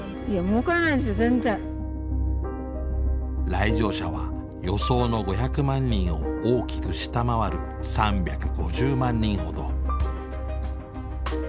来場者は予想の５００万人を大きく下回る３５０万人ほど。